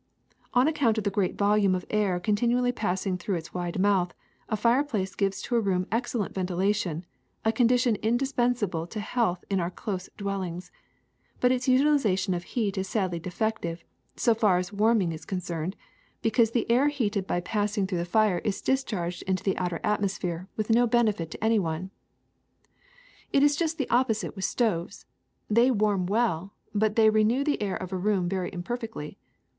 ^^On account of the great volume of air con tinually passing through its Avide mouth, a fireplace gives to a room excellent ventilation, a condition in dispensable to health in our close dwellings ; but its utilization of heat is sadly defective, so far as warm ing is concerned, because the air heated by passing 134 THE SECRET OF EVERYDAY THINGS through the fire is discharged into the outer at mosphere with no benefit to any one. ^^It is just the opposite with stoves: they warm well, but they renew the air of a room very im perfectly.